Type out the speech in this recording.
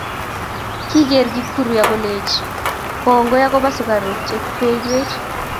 kigeer kipkurui agolenji,"kongoi akoba sugaruk chegeibwech."